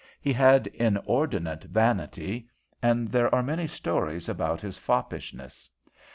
He had inordinate vanity, and there are many stories about his foppishness.